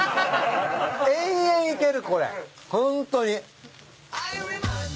延々いけるこれホントに。